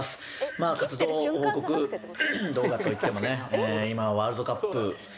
まあ活動報告動画といってもね今ワールドカップ期間